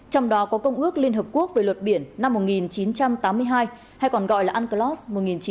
trong đó có công ước liên hợp quốc về luật biển năm một nghìn chín trăm tám mươi hai hay còn gọi là unclos một nghìn chín trăm tám mươi hai